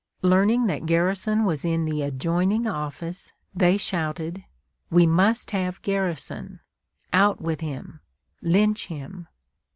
Learning that Garrison was in the adjoining office, they shouted, "We must have Garrison! Out with him! Lynch him!"